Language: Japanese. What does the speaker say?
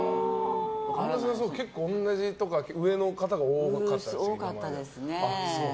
結構同じとか上の方が多かったんですか、今まで。